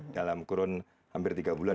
dalam kurun hampir tiga bulan